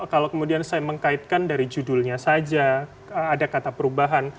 kalau kemudian saya mengkaitkan dari judulnya saja ada kata perubahan